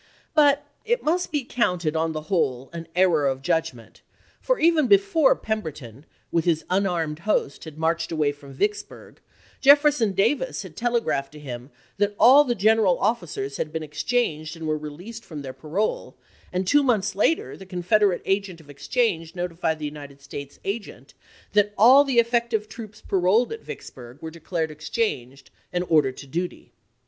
But it must be counted, on the whole, an error of judgment ; for even before Pemberton, with his unarmed host, had marched away from Vicksburg, Jefferson Davis had telegraphed to him that all the general officers had been exchanged and were released from their parole, and two months later the Confederate agent of exchange notified the United States agent that all the effective troops paroled at Vicksburg 308 ABRAHAM LINCOLN chap. x. were declared exchanged and ordered to duty.